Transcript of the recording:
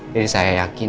jadi saya yakin